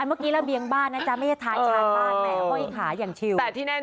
อันเมื่อกี้ระเบียงบ้านนะจ๊ะไม่ใช่ท้ายชาติบ้าน